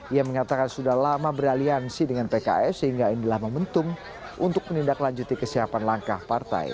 ia mengatakan sudah lama beraliansi dengan pks sehingga inilah momentum untuk menindaklanjuti kesiapan langkah partai